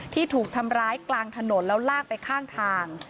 ที่ถูกทำร้ายกลางถนนแล้วลากไปข้างทาง